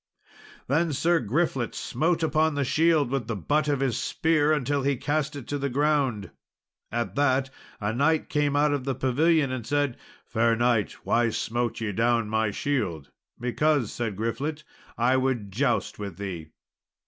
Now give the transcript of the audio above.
Then Sir Griflet smote upon the shield with the butt of his spear until he cast it to the ground. At that a knight came out of the pavilion and said, "Fair knight, why smote ye down my shield?" "Because," said Griflet, "I would joust with thee."